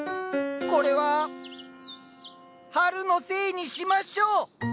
これは春のせいにしましょう。